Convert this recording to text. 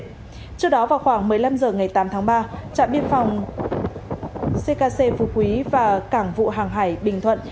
trước đó vào khoảng một mươi năm h ngày tám tháng ba trạm biên phòng ckc phú quý và cảng vụ hàng hải bình thuận